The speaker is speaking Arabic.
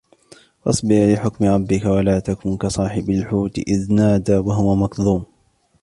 فاصبر لحكم ربك ولا تكن كصاحب الحوت إذ نادى وهو مكظوم